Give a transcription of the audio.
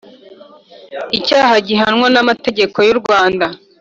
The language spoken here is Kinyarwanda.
icyaha gihanwa namategeko yu rwanda